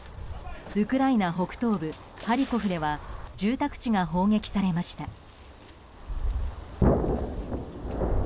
ウクライナ北東部ハリコフでは住宅地が砲撃されました。